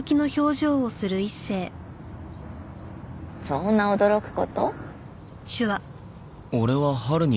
そんな驚く事？